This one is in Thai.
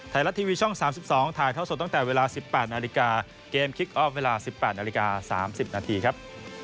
ไทยรัฐทีวีช่อง๓๒ถ่ายเท่าสดตั้งแต่เวลา๑๘นาฬิกาเกมคิกออฟเวลา๑๘นาฬิกา๓๐นาทีครับ